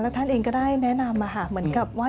ท่านเองก็ได้แนะนำเหมือนกับว่า